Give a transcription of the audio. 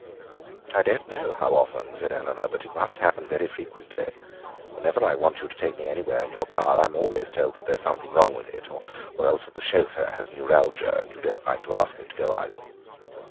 "I don't know how often," said Eleanor, "but it must happen very frequently. Whenever I want you to take me anywhere in your car I am always told that there is something wrong with it, or else that the chauffeur has got neuralgia and you don't like to ask him to go out."